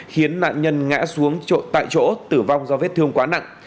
khiến nạn nhân ngã xuống tại chỗ tử vong do vết thương quá nặng